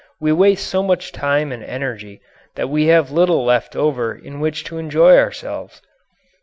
We waste so much time and energy that we have little left over in which to enjoy ourselves.